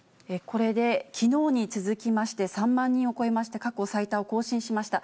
これできのうに続きまして、３万人を超えまして、過去最多を更新しました。